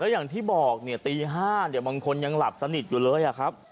แล้วอย่างที่บอกตี๕เดี๋ยวบางคนยังหลับสนิทอยู่เลย